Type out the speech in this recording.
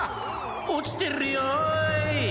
「おちてるよい！」